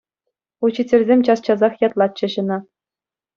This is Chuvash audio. Учительсем час-часах ятлатчӗҫ ӑна.